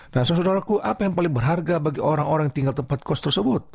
nah saudaraku apa yang paling berharga bagi orang orang yang tinggal tempat kos tersebut